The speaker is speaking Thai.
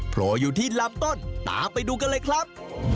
โผล่อยู่ที่ลำต้นตามไปดูกันเลยครับ